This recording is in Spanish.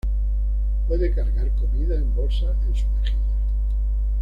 Puede cargar comida en bolsas en sus mejillas.